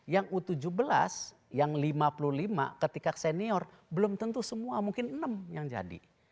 yang u tujuh belas yang lima puluh lima ketika senior belum tentu semua mungkin enam yang jadi